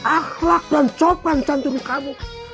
akhlak dan copan jantung kamu